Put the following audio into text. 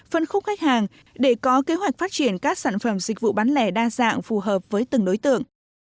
phân khúc khách hàng để có kế hoạch phát triển các sản phẩm dịch vụ bán lẻ đa dạng phù hợp với từng đối tượng